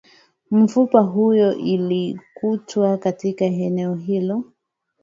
mifupa hiyo iliyokutwa katika eneo hilo